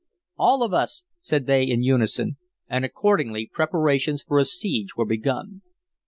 "All of us," said they, in unison, and, accordingly, preparations for a siege were begun.